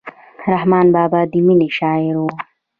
رحمان بابا د مینې شاعر و.